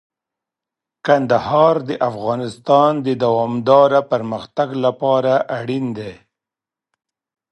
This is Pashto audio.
کندهار د افغانستان د دوامداره پرمختګ لپاره اړین دی.